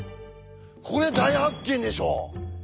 これ大発見でしょう！？